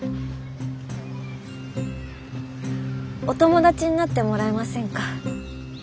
お友達になってもらえませんか。